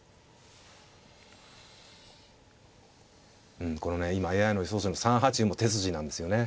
うんこのね今ＡＩの予想手の３八歩も手筋なんですよね。